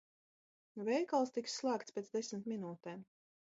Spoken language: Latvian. Veikals tiks slēgts pēc desmit minūtēm.